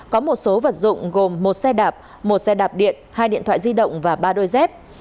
có một số vật dụng gồm một xe đạp một xe đạp điện hai điện thoại di động và ba đôi dép